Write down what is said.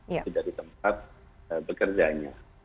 itu dari tempat bekerjanya